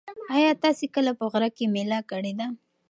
ایا تاسي کله په غره کې مېله کړې ده؟